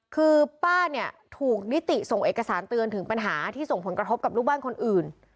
คือป้าเนี่ยถูกนิติส่งเอกสารเตือนถึงปัญหาที่ส่งผลกระทบกับลูกบ้านคนอื่น